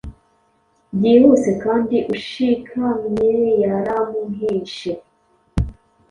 Byihuse kandi ushikamyeyaramuhishe